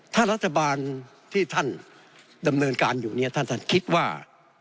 ถ้ารัฐบาลที่ท่านดำเนินการอยู่เนี่ยท่านท่านคิดว่า